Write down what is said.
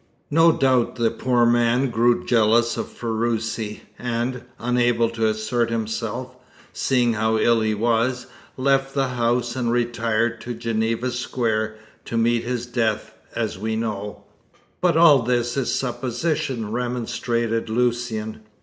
No doubt the poor man grew jealous of Ferruci; and, unable to assert himself, seeing how ill he was, left the house and retired to Geneva Square to meet his death, as we know." "But all this is supposition," remonstrated Lucian.